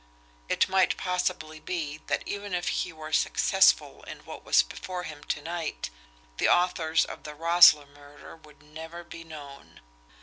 It might possibly be that, even if he were successful in what was before him to night, the authors of the Roessle murder would never be known.